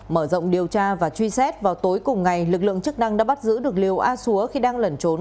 mở rộng điều tra và truy xét vào tối cùng ngày lực lượng chức năng đã bắt giữ được liều a xúa khi đang lẩn trốn